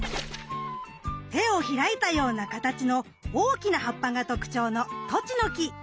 手を開いたような形の大きな葉っぱが特徴のトチノキ。